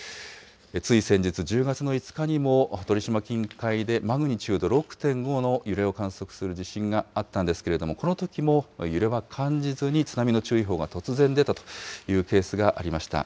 つい先日、１０月の５日にも、鳥島近海でマグニチュード６．５の揺れを観測する地震があったんですけれども、このときも、揺れは感じずに津波の注意報が突然出たというケースがありました。